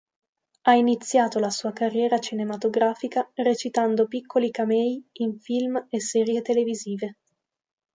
Ha iniziato la sua carriera cinematografica recitando piccoli camei in film e serie televisive.